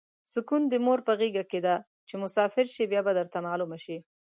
سوکون د مور په غیګه ده چی مسافر شی بیا به درته معلومه شی